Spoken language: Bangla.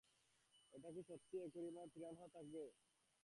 এটা কি সত্য অ্যাকোয়ারিয়ামে পিরানহা থাকবে?